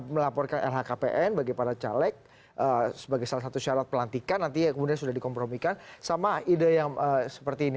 melaporkan lhkpn bagi para caleg sebagai salah satu syarat pelantikan nanti kemudian sudah dikompromikan sama ide yang seperti ini